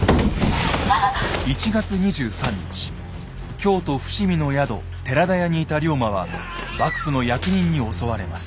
京都・伏見の宿寺田屋にいた龍馬は幕府の役人に襲われます。